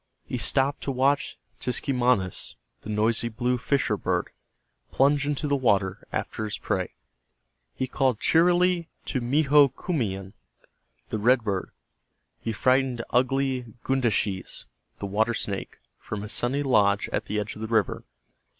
He stopped to watch Tiskemanis, the noisy blue fisher bird, plunge into the water after his prey. He called cheerily to Mehokuiman, the red bird. He frightened ugly Gundaschees, the water snake, from his sunny log at the edge of the river.